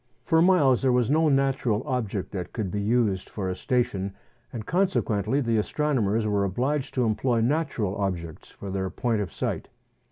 For miles there was no natural object that could be used for a station, and consequently the astronomers were obliged to employ natural objects for their point of sight.